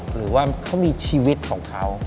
หรือว่าเขามีชีวิตของเขา